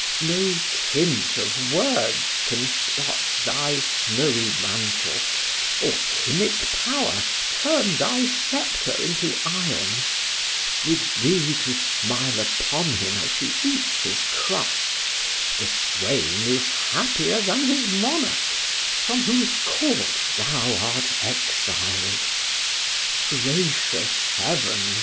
—No tint of words can spot thy snowy mantle, or chymic power turn thy sceptre into iron:—with thee to smile upon him as he eats his crust, the swain is happier than his monarch, from whose court thou art exiled!—Gracious Heaven!